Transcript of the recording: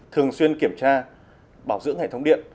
thường xuyên kiểm tra bảo dưỡng hệ thống điện